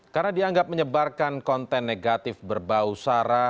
karena dianggap menyebarkan konten negatif berbau sara